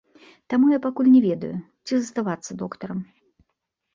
Таму я пакуль не ведаю, ці заставацца доктарам.